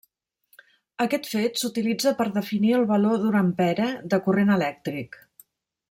Aquest fet s'utilitza per a definir el valor d'un ampere de corrent elèctric.